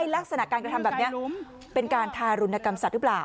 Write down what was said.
ลักษณะการกระทำแบบนี้เป็นการทารุณกรรมสัตว์หรือเปล่า